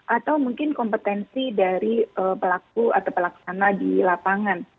atau mungkin kompetensi dari pelaku atau pelaksana di lapangan